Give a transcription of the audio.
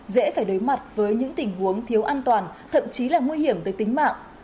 dễ phải đối mặt với những tình huống thiếu an toàn thậm chí là nguy hiểm tới tính mạng